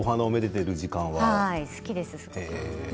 好きです。